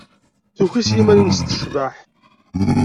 Tuki s yiman-nnes tecbeḥ.